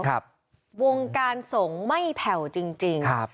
ครับวงการส่งไม่แผ่วจริงจริงครับ